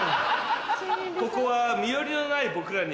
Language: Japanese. ここは身寄りのない僕らに。